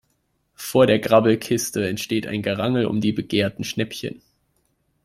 Vor der Grabbelkiste entsteht ein Gerangel um die begehrten Schnäppchen.